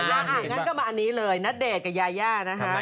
อย่างนั้นก็มาอันนี้เลยณเดชน์กับยาย่านะคะ